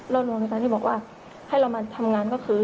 ร่วมรวมกันตั้งแต่บอกว่าให้เรามาทำงานก็คือ